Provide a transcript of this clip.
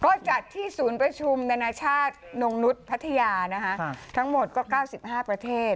ก็จัดที่ศูนย์ประชุมนานาชาตินงนุษย์พัทยานะคะทั้งหมดก็๙๕ประเทศ